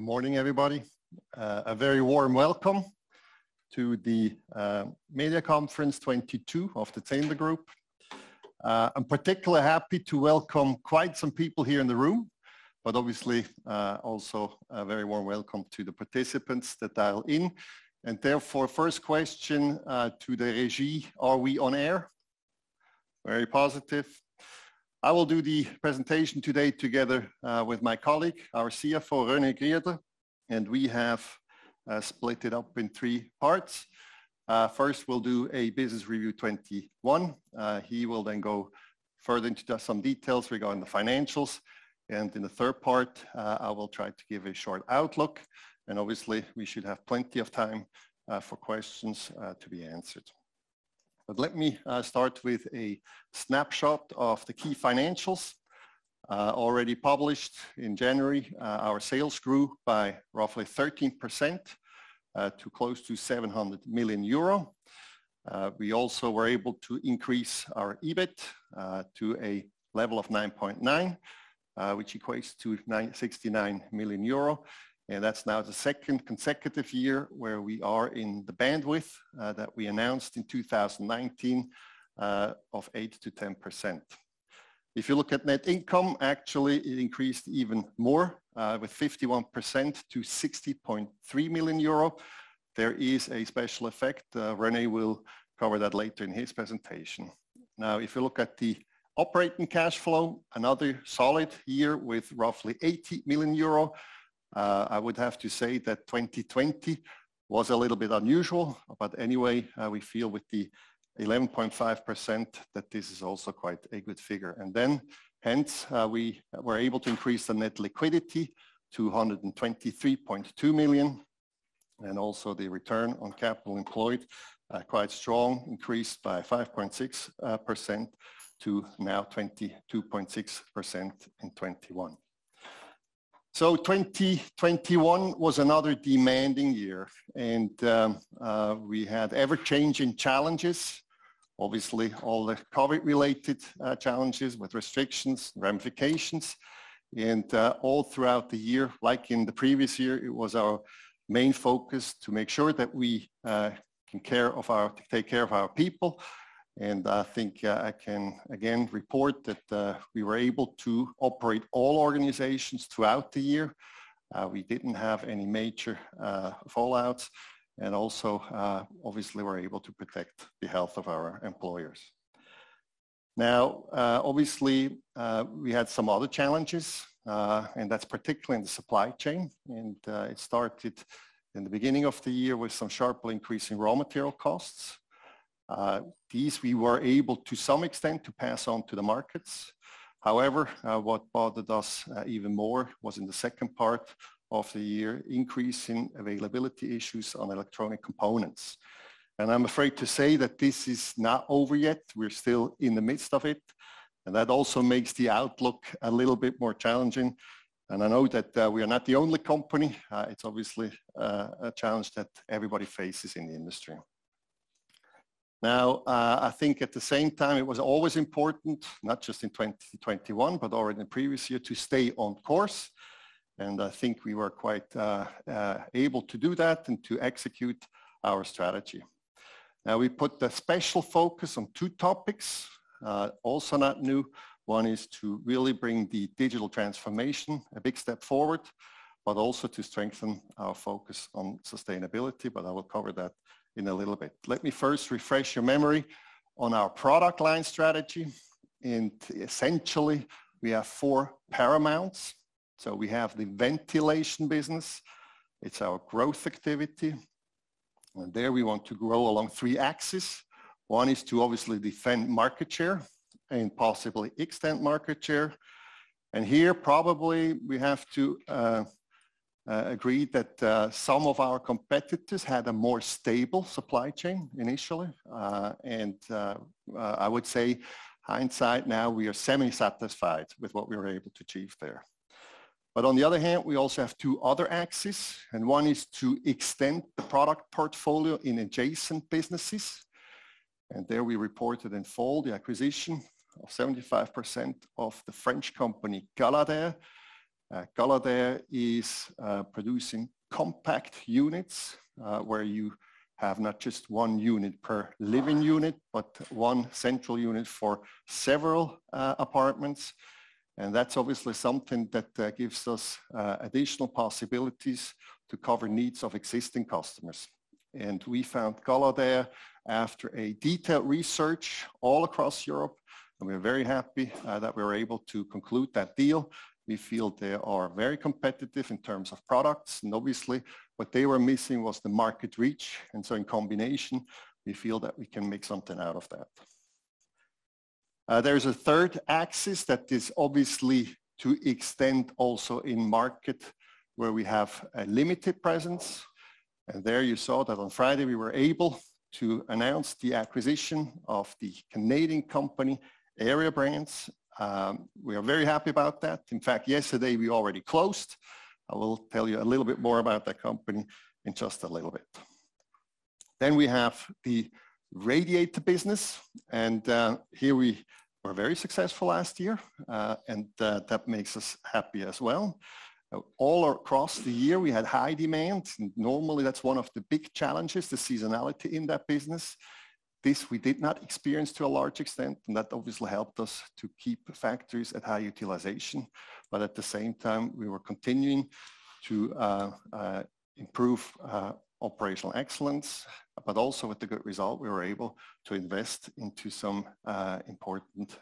Good morning, everybody. A very warm welcome to the Media Conference 2022 of the Zehnder Group. I'm particularly happy to welcome quite some people here in the room, but obviously also a very warm welcome to the participants that dial in. Therefore, first question to the Régie, are we on air? Very positive. I will do the presentation today together with my colleague, our CFO, René Grieder, and we have split it up in three parts. First we'll do a business review 2021. He will then go further into just some details regarding the financials. In the third part, I will try to give a short outlook, and obviously we should have plenty of time for questions to be answered. Let me start with a snapshot of the key financials already published in January. Our sales grew by roughly 13% to close to 700 million euro. We also were able to increase our EBIT to a level of 9.9%, which equates to 69 million euro. That's now the second consecutive year where we are in the bandwidth that we announced in 2019 of 8%-10%. If you look at net income, actually it increased even more with 51% to 60.3 million euro. There is a special effect. René will cover that later in his presentation. Now, if you look at the operating cash flow, another solid year with roughly 80 million euro. I would have to say that 2020 was a little bit unusual. Anyway, we feel with the 11.5% that this is also quite a good figure. Then, hence, we were able to increase the net liquidity to 123.2 million, and also the return on capital employed quite strong increased by 5.6% to now 22.6% in 2021. 2021 was another demanding year, and we had ever-changing challenges. Obviously, all the COVID-related challenges with restrictions, ramifications. All throughout the year, like in the previous year, it was our main focus to make sure that we take care of our people. I think I can again report that we were able to operate all organizations throughout the year. We didn't have any major fallouts and also obviously were able to protect the health of our employees. Now obviously we had some other challenges, and that's particularly in the supply chain. It started in the beginning of the year with some sharply increasing raw material costs. These we were able to some extent to pass on to the markets. However, what bothered us even more was in the second part of the year, increasing availability issues on electronic components. I'm afraid to say that this is not over yet. We're still in the midst of it, and that also makes the outlook a little bit more challenging. I know that we are not the only company. It's obviously a challenge that everybody faces in the industry. Now, I think at the same time, it was always important, not just in 2021, but already in the previous year to stay on course, and I think we were quite able to do that and to execute our strategy. Now, we put a special focus on two topics, also not new. One is to really bring the digital transformation a big step forward, but also to strengthen our focus on sustainability, but I will cover that in a little bit. Let me first refresh your memory on our product line strategy. Essentially, we have four paramounts. We have the ventilation business. It's our growth activity. There we want to grow along three axes. One is to obviously defend market share and possibly extend market share. Here probably we have to agree that some of our competitors had a more stable supply chain initially. I would say hindsight now, we are semi-satisfied with what we were able to achieve there. On the other hand, we also have two other axes, and one is to extend the product portfolio in adjacent businesses. There we reported in fall the acquisition of 75% of the French company Caladair. Caladair is producing compact units, where you have not just one unit per living unit, but one central unit for several apartments. That's obviously something that gives us additional possibilities to cover needs of existing customers. We found Caladair after a detailed research all across Europe, and we're very happy that we were able to conclude that deal. We feel they are very competitive in terms of products, and obviously what they were missing was the market reach. In combination, we feel that we can make something out of that. There is a third axis that is obviously to extend also in market where we have a limited presence. There you saw that on Friday we were able to announce the acquisition of the Canadian company, Airia Brands. We are very happy about that. In fact, yesterday we already closed. I will tell you a little bit more about that company in just a little bit. We have the radiator business, and here we were very successful last year, and that makes us happy as well. All across the year we had high demand. Normally, that's one of the big challenges, the seasonality in that business. This we did not experience to a large extent, and that obviously helped us to keep the factories at high utilization. At the same time, we were continuing to improve operational excellence. Also with the good result, we were able to invest into some important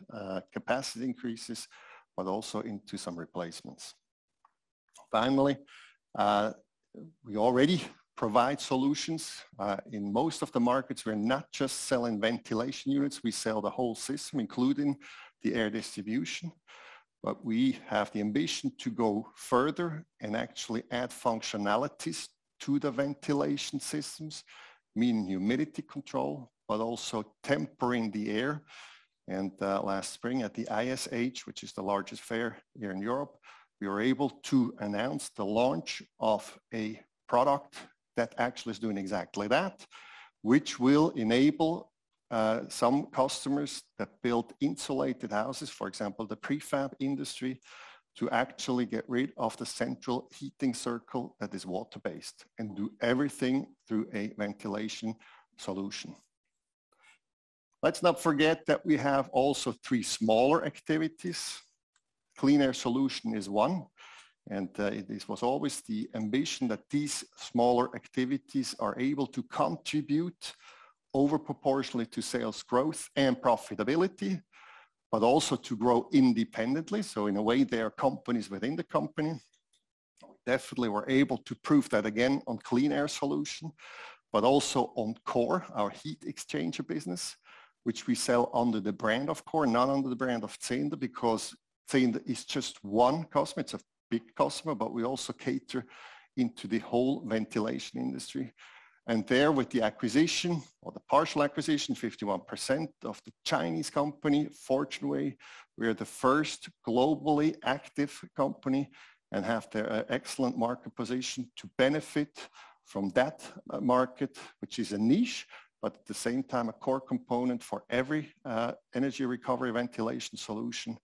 capacity increases, but also into some replacements. Finally, we already provide solutions in most of the markets. We're not just selling ventilation units, we sell the whole system, including the air distribution. We have the ambition to go further and actually add functionalities to the ventilation systems, meaning humidity control, but also tempering the air. Last spring at the ISH, which is the largest fair here in Europe, we were able to announce the launch of a product that actually is doing exactly that, which will enable some customers that build insulated houses, for example, the prefab industry, to actually get rid of the central heating circle that is water-based and do everything through a ventilation solution. Let's not forget that we have also three smaller activities. Clean Air Solutions is one, and this was always the ambition that these smaller activities are able to contribute over proportionally to sales growth and profitability, but also to grow independently. In a way, they are companies within the company. Definitely, we're able to prove that again on Clean Air Solutions, but also on CORE, our heat exchanger business, which we sell under the brand of CORE, not under the brand of Zehnder because Zehnder is just one customer. It's a big customer, but we also cater into the whole ventilation industry. There with the acquisition or the partial acquisition, 51% of the Chinese company, Fortuneway, we are the first globally active company and have the excellent market position to benefit from that market, which is a niche, but at the same time, a core component for every energy recovery ventilation solution.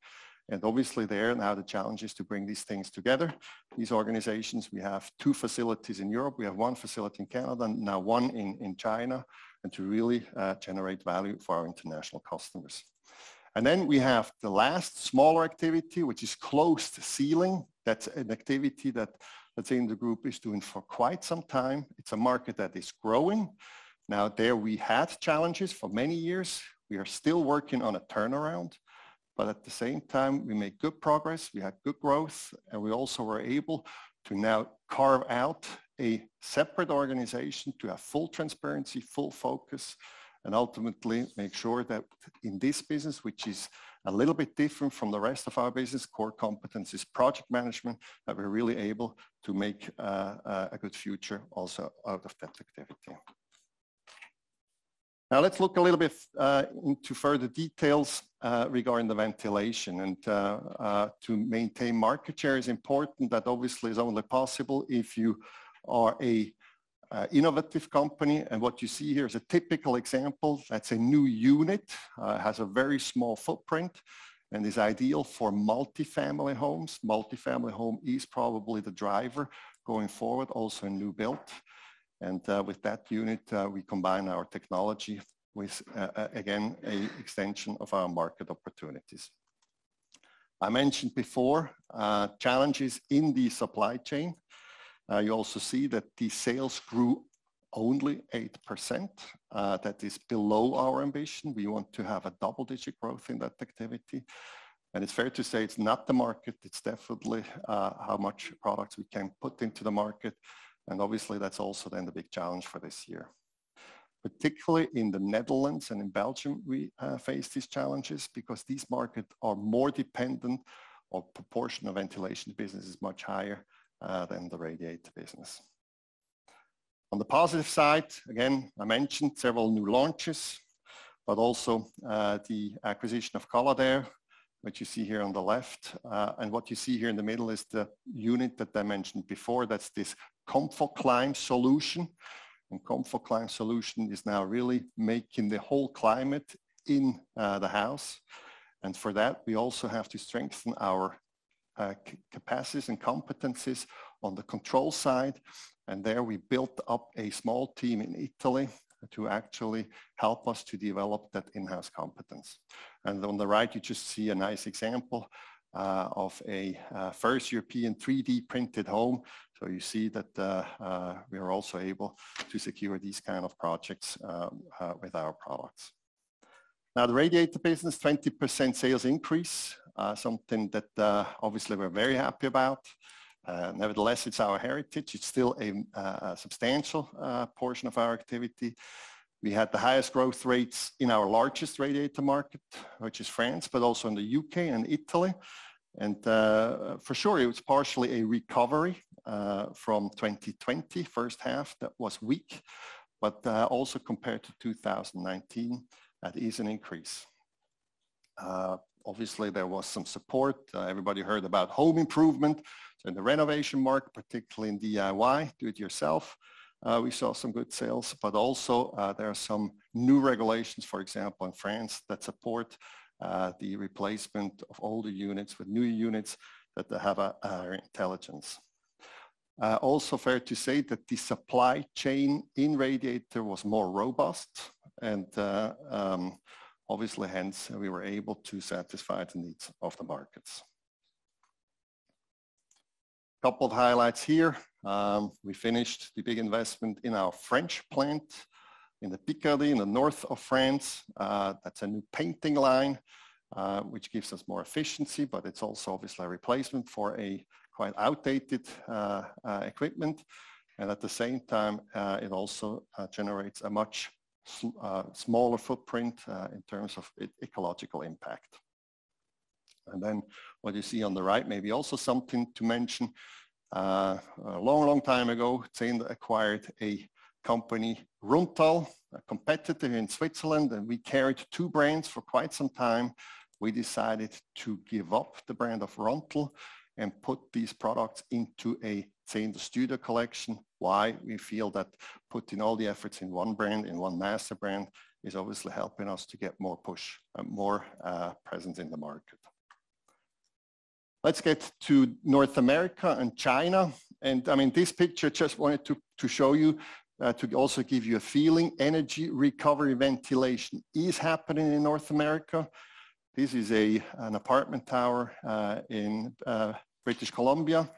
Obviously there now the challenge is to bring these things together, these organizations. We have two facilities in Europe. We have one facility in Canada, now one in China, and to really generate value for our international customers. We have the last smaller activity, which is Closed Ceiling. That's an activity that, let's say, in the group is doing for quite some time. It's a market that is growing. Now, there we had challenges for many years. We are still working on a turnaround, but at the same time, we made good progress, we had good growth, and we also were able to now carve out a separate organization to have full transparency, full focus, and ultimately make sure that in this business, which is a little bit different from the rest of our business, core competence is project management, that we're really able to make a good future also out of that activity. Now let's look a little bit into further details regarding the ventilation. To maintain market share is important. That obviously is only possible if you are an innovative company. What you see here is a typical example. That's a new unit that has a very small footprint and is ideal for multifamily homes. Multifamily home is probably the driver going forward, also in new build. With that unit, we combine our technology with again, an extension of our market opportunities. I mentioned before, challenges in the supply chain. You also see that the sales grew only 8%. That is below our ambition. We want to have a double-digit growth in that activity. It's fair to say it's not the market, it's definitely how much products we can put into the market. Obviously, that's also then the big challenge for this year. Particularly in the Netherlands and in Belgium, we face these challenges because these markets are more dependent on the proportion of ventilation business is much higher than the radiator business. On the positive side, again, I mentioned several new launches, but also the acquisition of Caladair, which you see here on the left. What you see here in the middle is the unit that I mentioned before. That's this ComfoClime solution. ComfoClime solution is now really making the whole climate in the house. For that, we also have to strengthen our capacities and competencies on the control side. There we built up a small team in Italy to actually help us to develop that in-house competence. On the right, you just see a nice example of a first European 3D printed home. You see that we are also able to secure these kind of projects with our products. Now, the radiator business, 20% sales increase, something that obviously we're very happy about. Nevertheless, it's our heritage. It's still a substantial portion of our activity. We had the highest growth rates in our largest radiator market, which is France, but also in the U.K. and Italy. For sure, it was partially a recovery from 2020, first half that was weak. Also compared to 2019, that is an increase. Obviously there was some support. Everybody heard about home improvement in the renovation market, particularly in DIY, do it yourself. We saw some good sales, but also there are some new regulations, for example, in France that support the replacement of older units with newer units that they have a intelligence. Also fair to say that the supply chain in radiator was more robust and obviously hence we were able to satisfy the needs of the markets. Couple of highlights here. We finished the big investment in our French plant in the Picardy in the North of France. That's a new painting line which gives us more efficiency, but it's also obviously a replacement for a quite outdated equipment. At the same time, it also generates a much smaller footprint in terms of ecological impact. What you see on the right may be also something to mention. A long, long time ago, Zehnder acquired a company, Runtal, a competitor in Switzerland, and we carried two brands for quite some time. We decided to give up the brand of Runtal and put these products into a Zehnder Studio Collection. Why? We feel that putting all the efforts in one brand, in one master brand is obviously helping us to get more push and more presence in the market. Let's get to North America and China. I mean, this picture just wanted to show you to also give you a feeling, energy recovery ventilation is happening in North America. This is an apartment tower in British Columbia,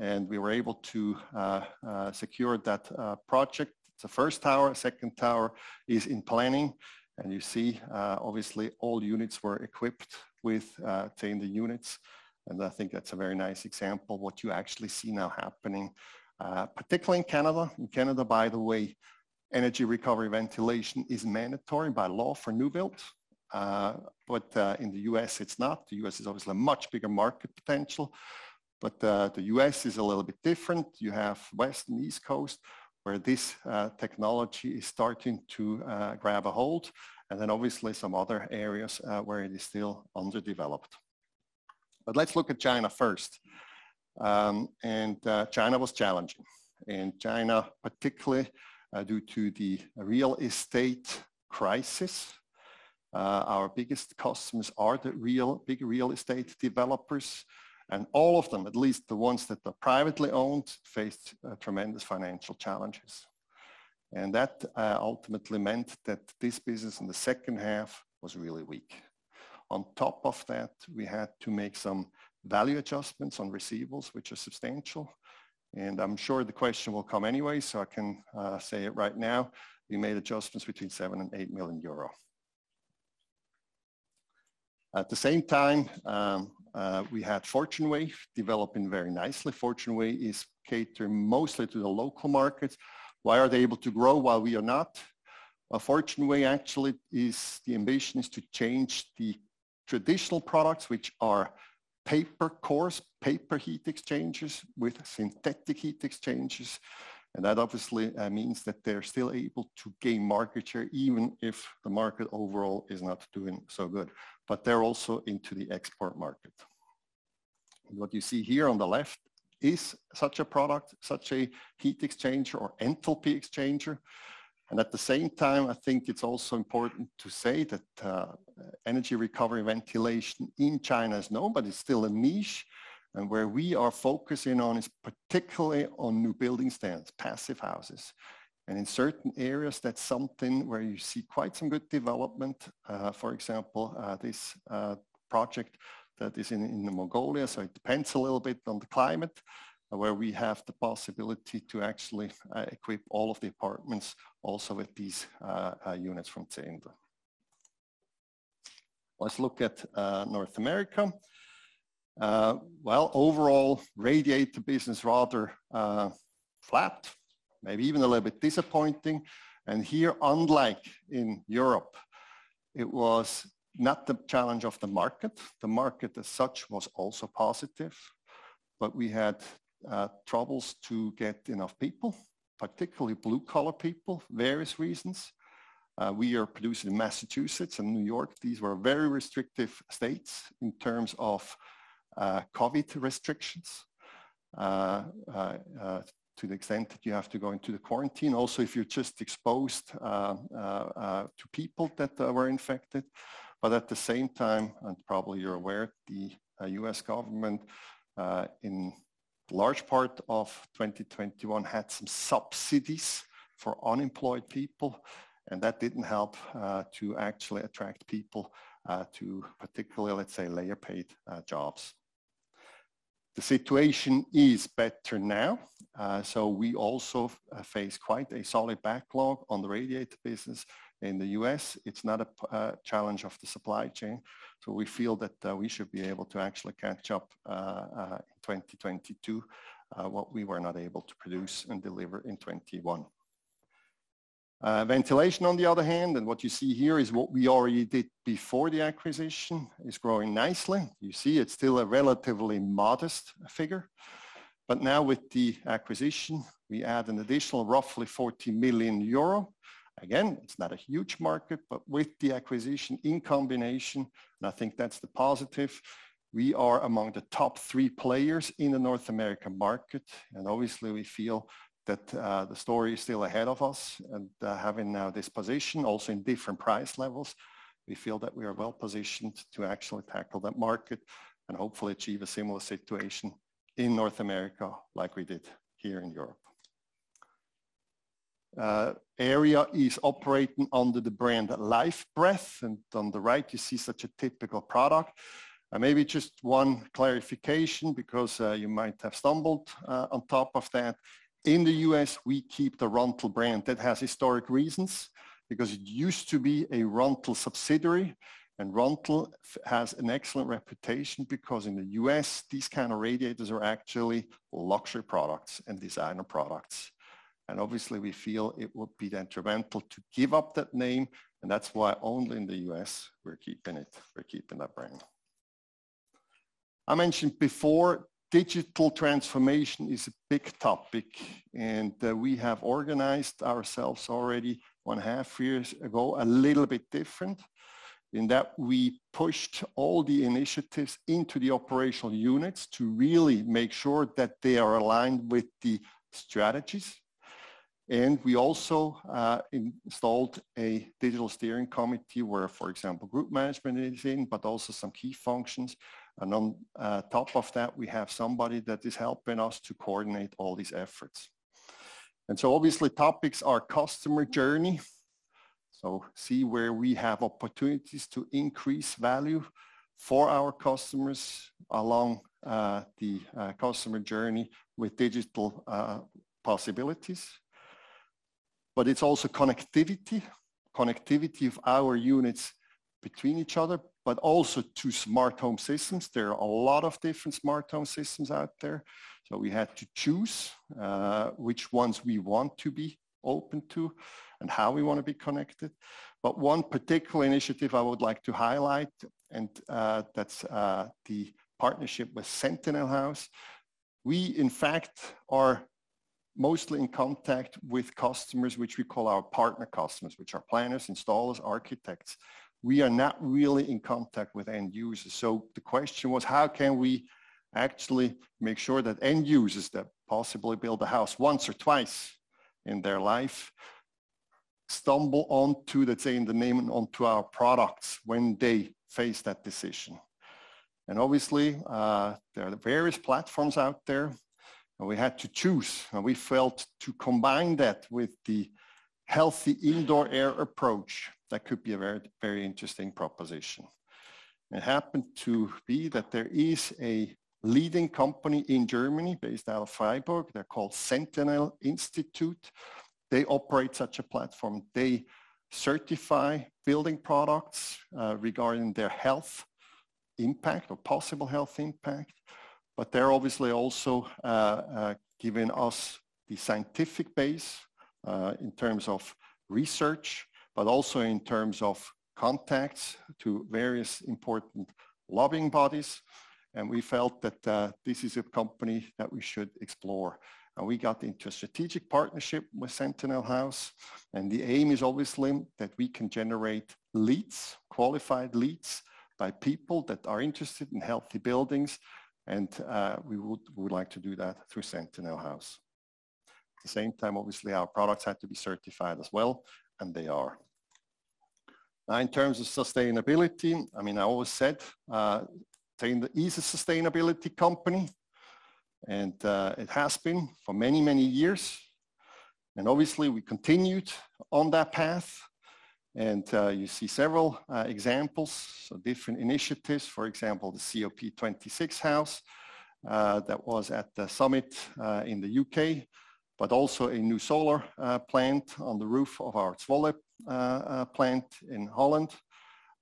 and we were able to secure that project. It's the first tower. Second tower is in planning. You see, obviously all units were equipped with Zehnder units. I think that's a very nice example what you actually see now happening, particularly in Canada. In Canada, by the way, energy recovery ventilation is mandatory by law for new builds. In the U.S., it's not. The U.S. is obviously a much bigger market potential, but the U.S. is a little bit different. You have West and East Coast where this technology is starting to grab a hold, and then obviously some other areas where it is still underdeveloped. Let's look at China first. China was challenging. In China, particularly, due to the real estate crisis, our biggest customers are the really big real estate developers, and all of them, at least the ones that are privately owned, faced tremendous financial challenges. That ultimately meant that this business in the second half was really weak. On top of that, we had to make some value adjustments on receivables, which are substantial. I'm sure the question will come anyway, so I can say it right now. We made adjustments between 7 million and 8 million euro. At the same time, we had Fortuneway developing very nicely. Fortuneway is catering mostly to the local markets. Why are they able to grow while we are not? Fortuneway actually is. The ambition is to change the traditional products, which are paper cores, paper heat exchangers with synthetic heat exchangers. That obviously means that they're still able to gain market share, even if the market overall is not doing so good. They're also into the export market. What you see here on the left is such a product, such a heat exchanger or enthalpy exchanger. At the same time, I think it's also important to say that energy recovery ventilation in China is known, but it's still a niche. Where we are focusing on is particularly on new building standards, passive houses. In certain areas, that's something where you see quite some good development. For example, this project that is in Inner Mongolia, so it depends a little bit on the climate, where we have the possibility to actually equip all of the apartments also with these units from Zehnder. Let's look at North America. Well, overall, radiator business rather flat, maybe even a little bit disappointing. Here, unlike in Europe, it was not the challenge of the market. The market as such was also positive. We had troubles to get enough people, particularly blue-collar people, various reasons. We are producing in Massachusetts and New York. These were very restrictive states in terms of COVID restrictions, to the extent that you have to go into the quarantine. Also, if you're just exposed to people that were infected. At the same time, and probably you're aware, the U.S. government in large part of 2021 had some subsidies for unemployed people, and that didn't help to actually attract people to particularly, let's say, lower-paid jobs. The situation is better now, so we also face quite a solid backlog on the radiator business in the U.S. It's not a challenge of the supply chain. We feel that we should be able to actually catch up in 2022 what we were not able to produce and deliver in 2021. Ventilation on the other hand, and what you see here is what we already did before the acquisition, is growing nicely. You see it's still a relatively modest figure. Now with the acquisition, we add an additional roughly 40 million euro. Again, it's not a huge market, but with the acquisition in combination, and I think that's the positive, we are among the top three players in the North American market. Obviously, we feel that the story is still ahead of us. Having now this position also in different price levels, we feel that we are well-positioned to actually tackle that market and hopefully achieve a similar situation in North America like we did here in Europe. Airia is operating under the brand Lifebreath, and on the right you see such a typical product. Maybe just one clarification because you might have stumbled on top of that. In the U.S., we keep the Runtal brand. That has historic reasons, because it used to be a Runtal subsidiary, and Runtal has an excellent reputation because in the U.S., these kind of radiators are actually luxury products and designer products. Obviously we feel it would be detrimental to give up that name, and that's why only in the U.S. we're keeping it, we're keeping that brand. I mentioned before, digital transformation is a big topic, and we have organized ourselves already one and a half years ago a little bit different in that we pushed all the initiatives into the operational units to really make sure that they are aligned with the strategies. We also installed a digital steering committee where, for example, group management is in, but also some key functions. On top of that, we have somebody that is helping us to coordinate all these efforts. Obviously topics are customer journey, so see where we have opportunities to increase value for our customers along the customer journey with digital possibilities. It's also connectivity of our units between each other, but also to smart home systems. There are a lot of different smart home systems out there, so we had to choose which ones we want to be open to and how we want to be connected. One particular initiative I would like to highlight, and that's the partnership with Sentinel Haus. We in fact are mostly in contact with customers which we call our partner customers, which are planners, installers, architects. We are not really in contact with end users. The question was, how can we actually make sure that end users that possibly build a house once or twice in their life stumble onto, let's say in the name, onto our products when they face that decision? Obviously, there are various platforms out there, and we had to choose. We felt to combine that with the healthy indoor air approach, that could be a very, very interesting proposition. It happened to be that there is a leading company in Germany based out of Freiburg. They're called Sentinel Haus Institut. They operate such a platform. They certify building products regarding their health impact or possible health impact. They're obviously also giving us the scientific base in terms of research, but also in terms of contacts to various important lobbying bodies. We felt that this is a company that we should explore. We got into a strategic partnership with Sentinel Haus, and the aim is obviously that we can generate leads, qualified leads by people that are interested in healthy buildings, and we would like to do that through Sentinel Haus. At the same time, obviously, our products had to be certified as well, and they are. Now in terms of sustainability, I mean, I always said that it is a sustainable company, and it has been for many, many years. Obviously we continued on that path. You see several examples, so different initiatives. For example, the COP26 house that was at the summit in the U.K., but also a new solar plant on the roof of our Zwolle plant in Holland,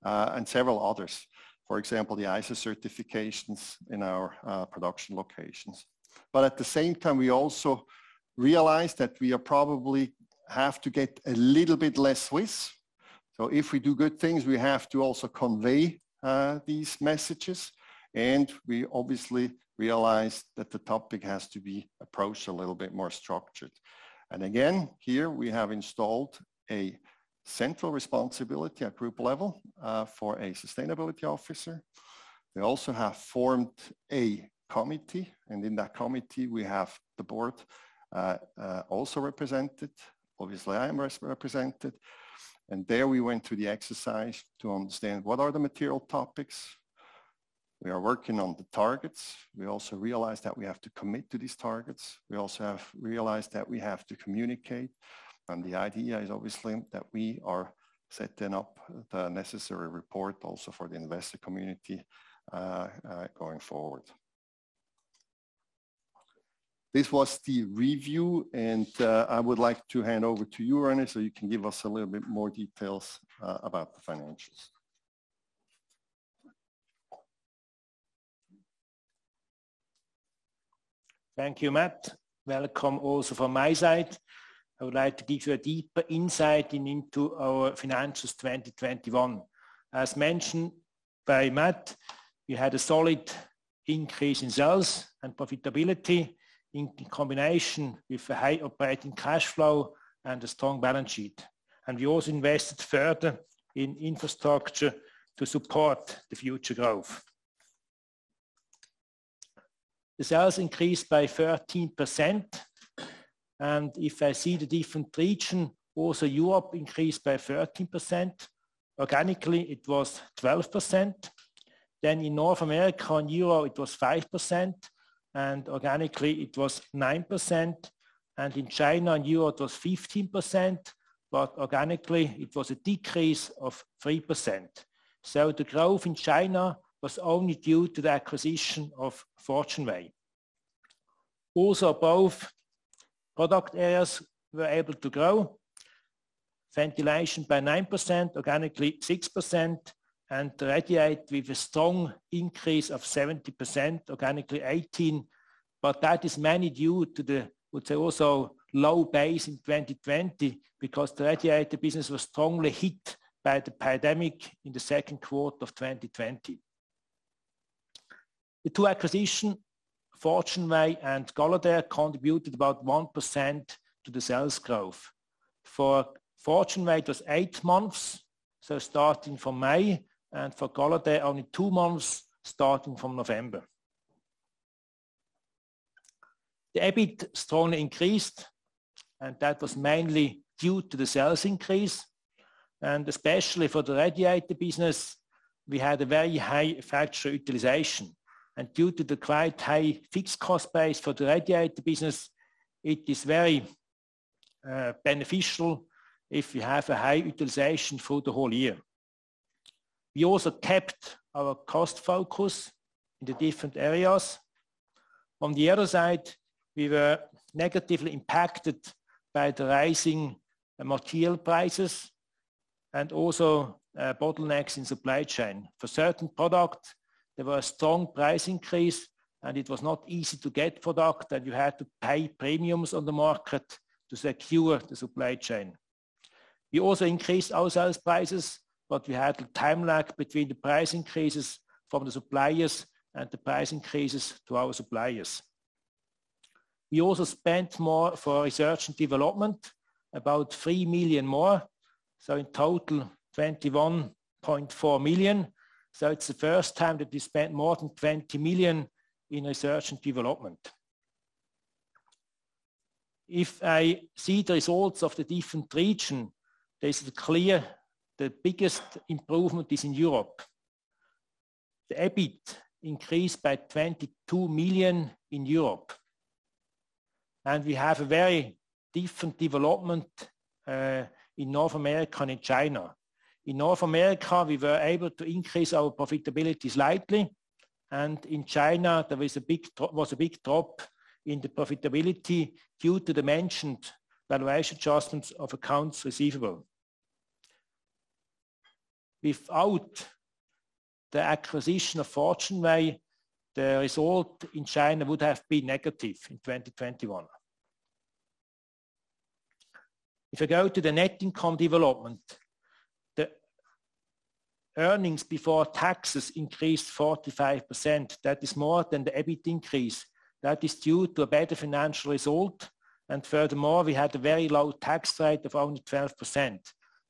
and several others. For example, the ISO certifications in our production locations. At the same time, we also realized that we probably have to get a little bit less Swiss. If we do good things, we have to also convey these messages. We obviously realized that the topic has to be approached a little bit more structured. Again, here we have installed a central responsibility at group level for a sustainability officer. We also have formed a committee, and in that committee we have the board also represented. Obviously, I am represented. There we went through the exercise to understand what are the material topics. We are working on the targets. We also realized that we have to commit to these targets. We also have realized that we have to communicate. The idea is obviously that we are setting up the necessary report also for the investor community going forward. This was the review, and I would like to hand over to you, René, so you can give us a little bit more details about the financials. Thank you, Matt. Welcome also from my side. I would like to give you a deeper insight into our financials 2021. As mentioned by Matt, we had a solid increase in sales and profitability in combination with a high operating cash flow and a strong balance sheet. We also invested further in infrastructure to support the future growth. The sales increased by 13%. If I see the different region, also Europe increased by 13%. Organically, it was 12%. In North America in EUR, it was 5%, and organically it was 9%. In China, in EUR it was 15%, but organically it was a decrease of 3%. The growth in China was only due to the acquisition of Fortuneway. Also both product areas were able to grow. Ventilation by 9%, organically 6%, and the radiator with a strong increase of 70%, organically 18. That is mainly due to the, I would say, also low base in 2020, because the radiator business was strongly hit by the pandemic in the second quarter of 2020. The two acquisitions, Fortuneway and Caladair, contributed about 1% to the sales growth. For Fortuneway, it was 8 months, so starting from May, and for Caladair, only two months, starting from November. The EBIT strongly increased, and that was mainly due to the sales increase. Especially for the radiator business, we had a very high factory utilization. Due to the quite high fixed cost base for the radiator business, it is very beneficial if we have a high utilization through the whole year. We also kept our cost focus in the different areas. On the other side, we were negatively impacted by the rising material prices and also, bottlenecks in supply chain. For certain product, there were a strong price increase, and it was not easy to get product, and you had to pay premiums on the market to secure the supply chain. We also increased our sales prices, but we had a time lag between the price increases from the suppliers and the price increases to our suppliers. We also spent more for research and development, about 3 million more, so in total, 21.4 million. It's the first time that we spent more than 20 million in research and development. If I see the results of the different region, this is clear, the biggest improvement is in Europe. The EBIT increased by 22 million in Europe. We have a very different development in North America and in China. In North America, we were able to increase our profitability slightly. In China, there was a big drop in the profitability due to the mentioned valuation adjustments of accounts receivable. Without the acquisition of Fortuneway, the result in China would have been negative in 2021. If I go to the net income development, the earnings before taxes increased 45%. That is more than the EBIT increase. That is due to a better financial result. Furthermore, we had a very low tax rate of only 12%.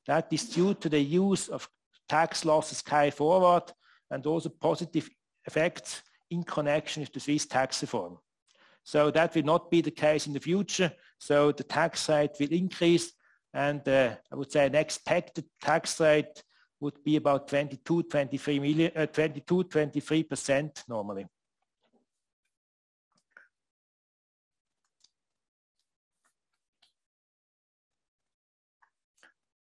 That is due to the use of tax losses carry forward and also positive effects in connection with the Swiss tax reform. That will not be the case in the future, so the tax rate will increase, and I would say an expected tax rate would be about 22%-23% normally.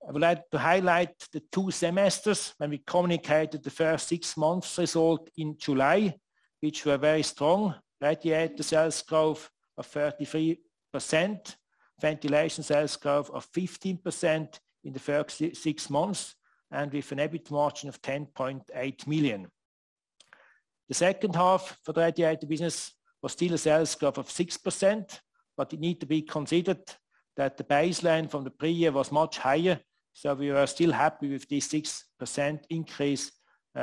I would like to highlight the two semesters when we communicated the first six months result in July, which were very strong. Radiator sales growth of 33%, ventilation sales growth of 15% in the first six months, and with an EBIT margin of 10.8%. The second half for the radiator business was still a sales growth of 6%, but it need to be considered that the baseline from the prior was much higher. We are still happy with this 6% increase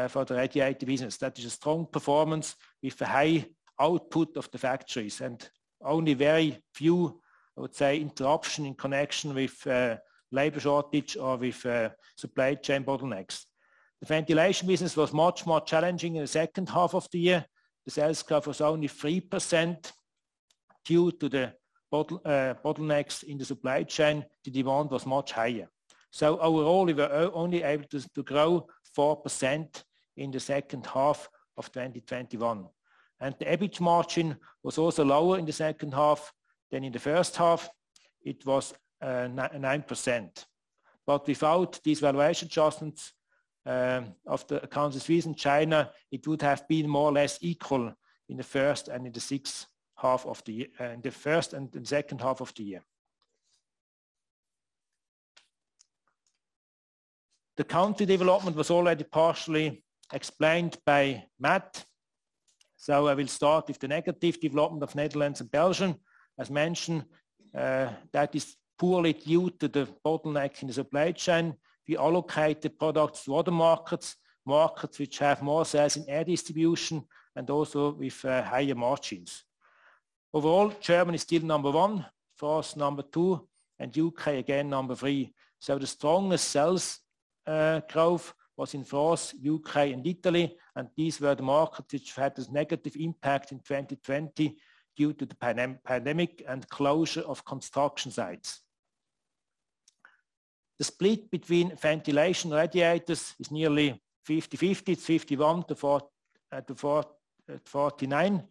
for the radiator business. That is a strong performance with a high output of the factories and only very few, I would say, interruption in connection with labor shortage or with supply chain bottlenecks. The ventilation business was much more challenging in the second half of the year. The sales growth was only 3% due to bottlenecks in the supply chain. The demand was much higher. Overall, we were only able to grow 4% in the second half of 2021. The EBIT margin was also lower in the second half. In the first half, it was 9%. Without these valuation adjustments of the accounts receivable in China, it would have been more or less equal in the first and the second half of the year. The country development was already partially explained by Matt. I will start with the negative development of Netherlands and Belgium. As mentioned, that is purely due to the bottleneck in the supply chain. We allocate the products to other markets which have more sales in air distribution and also with higher margins. Overall, Germany is still number one, France number two, and U.K. again number three. The strongest sales growth was in France, U.K., and Italy, and these were the markets which had this negative impact in 2020 due to the pandemic and closure of construction sites. The split between ventilation and radiators is nearly 50/50. It's 51%-49%.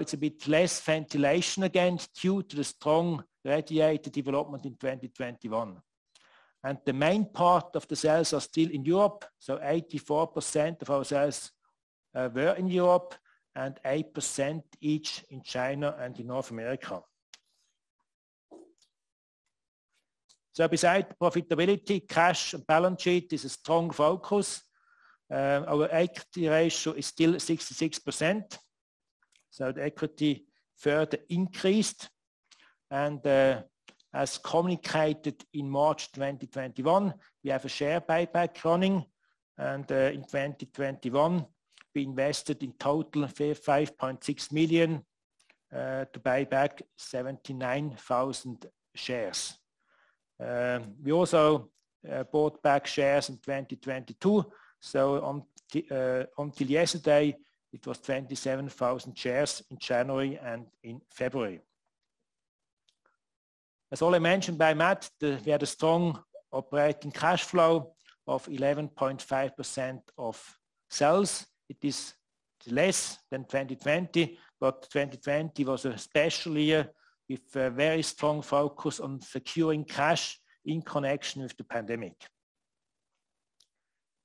It's a bit less ventilation again due to the strong radiator development in 2021. The main part of the sales are still in Europe, so 84% of our sales were in Europe and 8% each in China and in North America. Besides profitability, cash and balance sheet is a strong focus. Our equity ratio is still 66%, so the equity further increased. As communicated in March 2021, we have a share buyback running. In 2021, we invested in total 5.6 million to buy back 79,000 shares. We also bought back shares in 2022 until yesterday. It was 27,000 shares in January and in February. As already mentioned by Matt, we had a strong operating cash flow of 11.5% of sales. It is less than 2020, but 2020 was a special year with a very strong focus on securing cash in connection with the pandemic.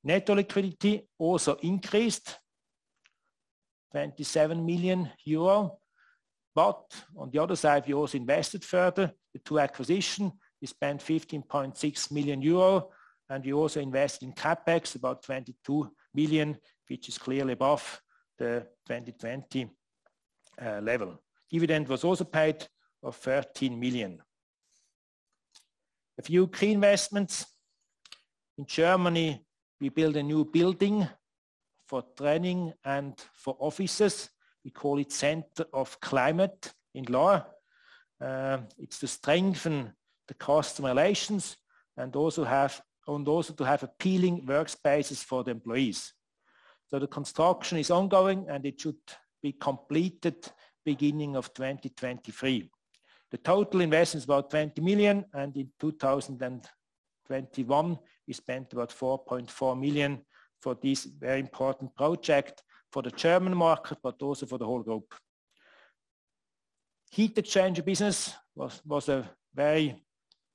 Net liquidity also increased, 27 million euro. On the other side, we also invested further. The two acquisitions, we spent 15.6 million euro, and we also invest in CapEx, about 22 million, which is clearly above the 2020 level. Dividend was also paid of 13 million. A few key investments. In Germany, we build a new building for training and for offices. We call it Center of Climate in Lahr. It's to strengthen the customer relations and also to have appealing workspaces for the employees. The construction is ongoing, and it should be completed beginning of 2023. The total investment is about 20 million, and in 2021, we spent about 4.4 million for this very important project for the German market, but also for the whole group. Heat exchanger business was very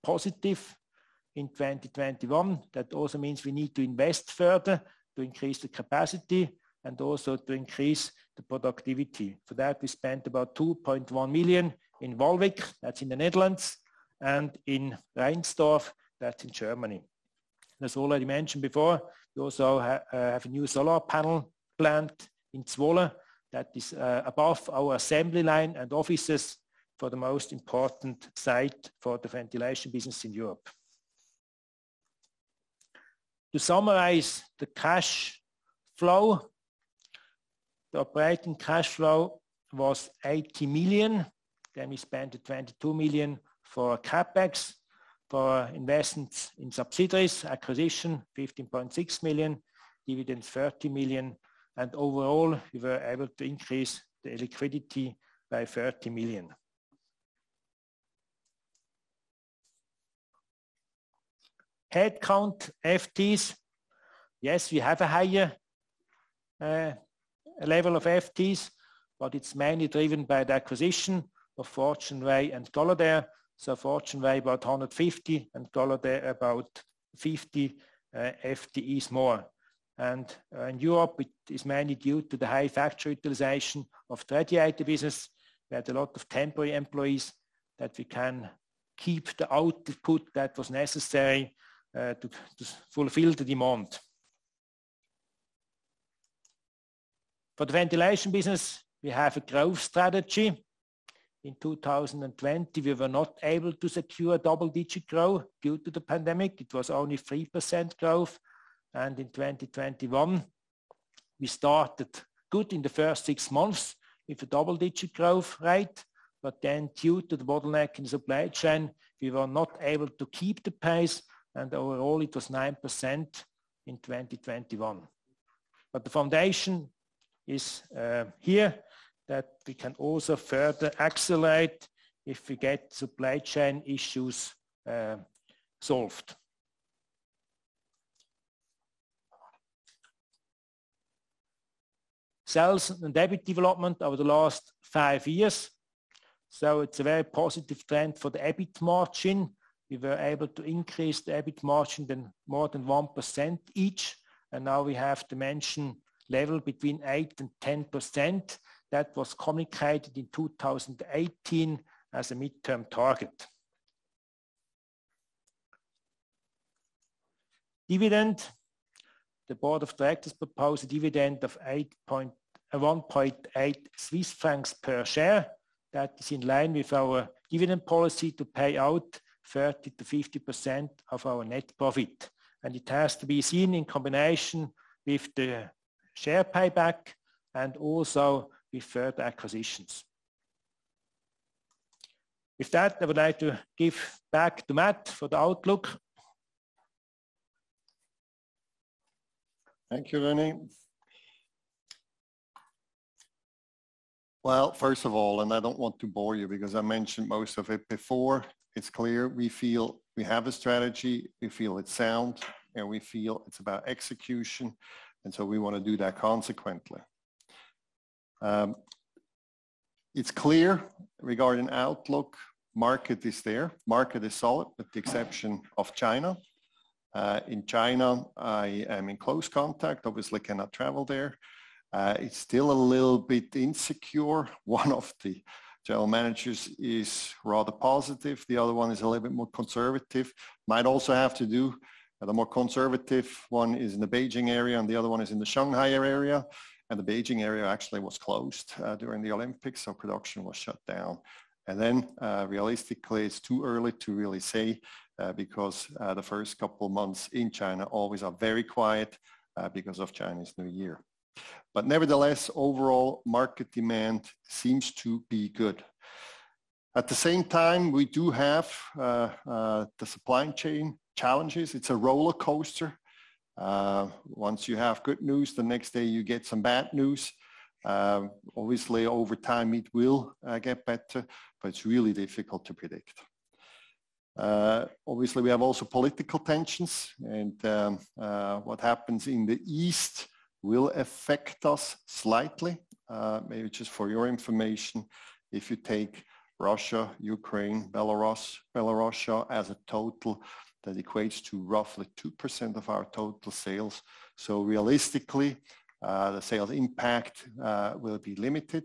positive in 2021. That also means we need to invest further to increase the capacity and also to increase the productivity. For that, we spent about 2.1 million in Wolvega, that's in the Netherlands, and in Reinsdorf, that's in Germany. As already mentioned before, we also have a new solar panel plant in Zwolle that is above our assembly line and offices for the most important site for the ventilation business in Europe. To summarize the cash flow, the operating cash flow was 80 million. We spent 22 million for CapEx. For investments in subsidiaries, acquisition, 15.6 million. Dividends, 30 million. Overall, we were able to increase the liquidity by 30 million. Headcount FTEs. Yes, we have a higher level of FTEs, but it's mainly driven by the acquisition of Fortuneway and Caladair. Fortuneway about 150, and Caladair about 50 FTEs more. In Europe, it is mainly due to the high factory utilization of radiator business. We had a lot of temporary employees that we can keep the output that was necessary to fulfill the demand. For the ventilation business, we have a growth strategy. In 2020, we were not able to secure double-digit growth due to the pandemic. It was only 3% growth. In 2021, we started good in the first six months with a double-digit growth rate. Then due to the bottleneck in supply chain, we were not able to keep the pace. Overall, it was 9% in 2021. The foundation is here that we can also further accelerate if we get supply chain issues solved. Sales and EBIT development over the last five years. It's a very positive trend for the EBIT margin. We were able to increase the EBIT margin than more than 1% each. Now we have to mention level between 8%-10%. That was communicated in 2018 as a midterm target. Dividend. The Board of Directors propose a dividend of 1.8 Swiss francs per share. That is in line with our dividend policy to pay out 30%-50% of our net profit, and it has to be seen in combination with the share payback and also with further acquisitions. With that, I would like to give back to Matt for the outlook. Thank you, René. Well, first of all, I don't want to bore you because I mentioned most of it before. It's clear we feel we have a strategy. We feel it's sound, and we feel it's about execution, so we want to do that consequently. It's clear regarding outlook. Market is there. Market is solid with the exception of China. In China, I am in close contact. Obviously cannot travel there. It's still a little bit insecure. One of the general managers is rather positive. The other one is a little bit more conservative. The more conservative one is in the Beijing area, and the other one is in the Shanghai area. The Beijing area actually was closed during the Olympics, so production was shut down. Realistically, it's too early to really say, because the first couple months in China always are very quiet, because of Chinese New Year. Nevertheless, overall, market demand seems to be good. At the same time, we do have the supply chain challenges. It's a roller coaster. Once you have good news, the next day you get some bad news. Obviously over time it will get better, but it's really difficult to predict. Obviously we have also political tensions, and what happens in the East will affect us slightly. Maybe just for your information, if you take Russia, Ukraine, Belarus as a total, that equates to roughly 2% of our total sales. Realistically, the sales impact will be limited.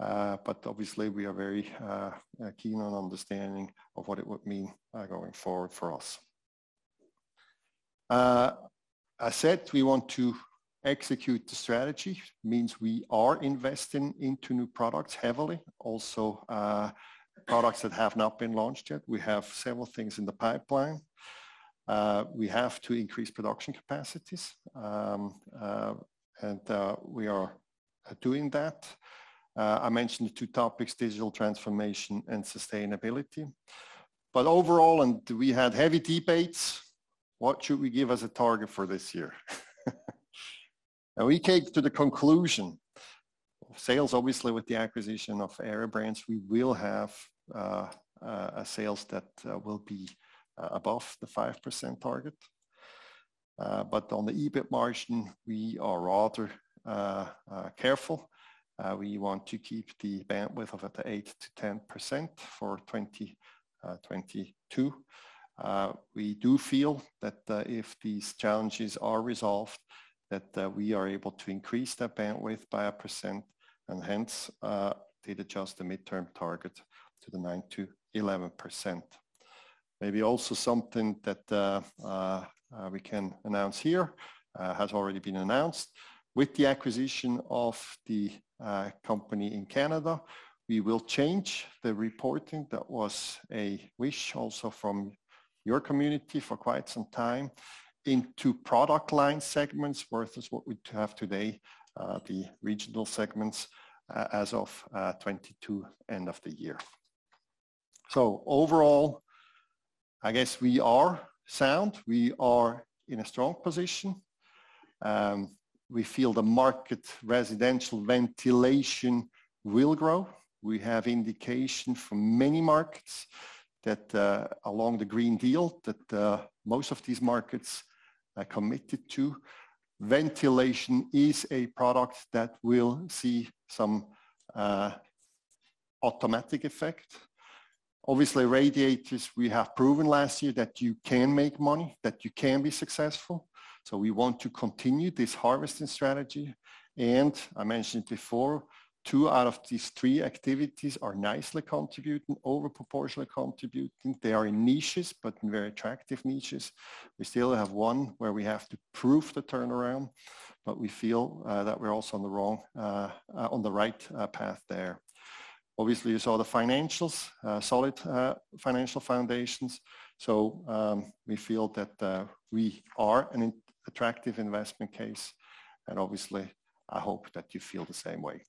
Obviously we are very keen on understanding what it would mean going forward for us. I said we want to execute the strategy, means we are investing into new products heavily. Also products that have not been launched yet. We have several things in the pipeline. We have to increase production capacities, and we are doing that. I mentioned the two topics, digital transformation and sustainability. Overall we had heavy debates what should we give as a target for this year. Now we came to the conclusion, sales obviously with the acquisition of Airia Brands, we will have sales that will be above the 5% target. On the EBIT margin, we are rather careful. We want to keep the bandwidth at 8%-10% for 2022. We do feel that if these challenges are resolved, that we are able to increase that bandwidth by 1%, and hence did adjust the midterm target to 9%-11%. Maybe also something that we can announce here has already been announced. With the acquisition of Airia Brands, we will change the reporting, that was a wish also from your community for quite some time, into product line segments versus what we have today, the regional segments, as of 2022, end of the year. Overall, I guess we are sound. We are in a strong position. We feel the Residential Ventilation Market will grow. We have indication from many markets that along the Green Deal most of these markets are committed to. Ventilation is a product that will see some automatic effect. Obviously, radiators, we have proven last year that you can make money, that you can be successful. We want to continue this harvesting strategy. I mentioned before, two out of these three activities are nicely contributing, over proportionally contributing. They are in niches, but in very attractive niches. We still have one where we have to prove the turnaround, but we feel that we're also on the right path there. Obviously, you saw the financials, solid financial foundations. We feel that we are an attractive investment case, and obviously I hope that you feel the same way.